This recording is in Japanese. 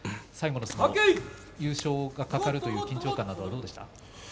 最後、優勝が懸かるという緊張感などはどうでしたか？